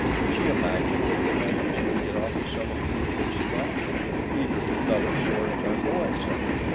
She imagined that they might easily get off to some of the adjacent islands, either to Phellus or Tyroessa.